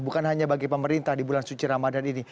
bukan hanya bagi pemerintah di bulan suci ramadan ini